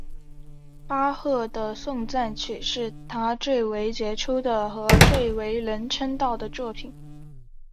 巴赫的颂赞曲是他最杰出的和最为人称道的作品。